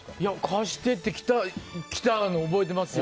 貸してってきたの覚えてますよ。